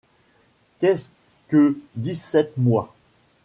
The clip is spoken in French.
Qu’est-ce que dix-sept mois !